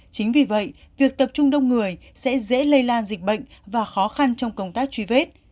chính vì vậy việc tập trung đông người sẽ dễ lây lan dịch bệnh và khó khăn trong công tác truy vết